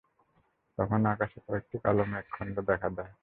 তখন আকাশে কয়েকটি কাল মেঘখণ্ড দেখা দেয়।